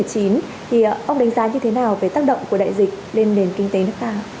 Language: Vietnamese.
thì ông đánh giá như thế nào về tác động của đại dịch lên nền kinh tế nước ta